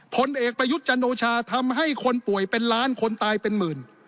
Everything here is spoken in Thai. ผลเอกประยุทธ์จันโอชาทำให้คนป่วยเป็นล้านคนตายเป็นหมื่น